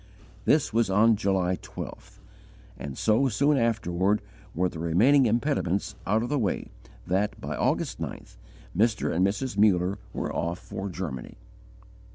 This was on July 12th; and so soon afterward were the remaining impediments out of the way that, by August 9th, Mr. and Mrs. Muller were off for Germany.